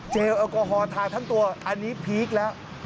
แอลกอฮอลทาทั้งตัวอันนี้พีคแล้ว